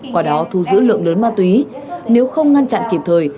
quả đó thu giữ lượng lớn ma túy nếu không ngăn chặn kịp thời